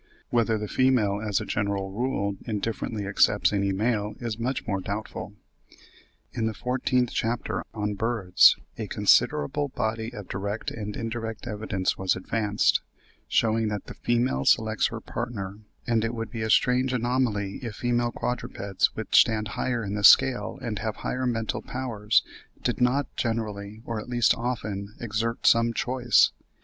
Whether the female as a general rule indifferently accepts any male is much more doubtful. In the fourteenth chapter, on Birds, a considerable body of direct and indirect evidence was advanced, shewing that the female selects her partner; and it would be a strange anomaly if female quadrupeds, which stand higher in the scale and have higher mental powers, did not generally, or at least often, exert some choice.